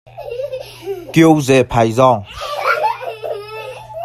People born in twenty-eighteen will possibly live into the twenty-second century.